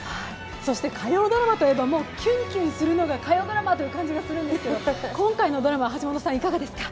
そして火曜ドラマといえばキュンキュンするのが火曜ドラマという気がするんですけど今回のドラマはいかがですか？